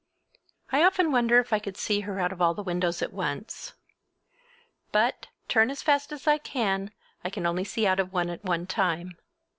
I often wonder if I could see her out of all the windows at once. But, turn as fast as I can, I can only see out of one at one time.